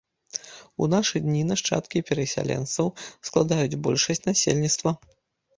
У нашы дні нашчадкі перасяленцаў складаюць большасць насельніцтва.